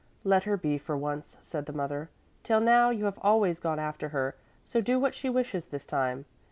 "Let her be for once," said the mother. "Till now you have always gone after her; so do what she wishes this time.